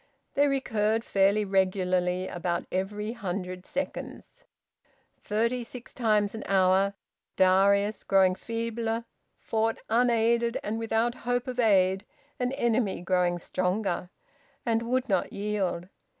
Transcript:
They recurred fairly regularly about every hundred seconds. Thirty six times an hour Darius, growing feebler, fought unaided and without hope of aid an enemy growing stronger, and would not yield.